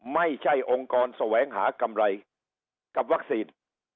ไม่ใช่องค์กรแสวงหากำไรกับวัคซีน